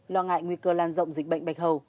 lo ngại nguy cơ lan rộng dịch bệnh bạch hầu